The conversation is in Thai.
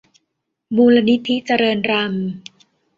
มูลนิธิเจริญรัมย์